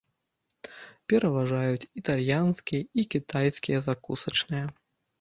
Пераважаюць італьянскія і кітайскія закусачныя.